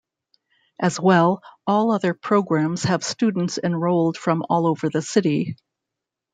As well, all other programs have students enrolled from all over the city.